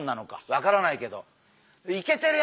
分からないけど。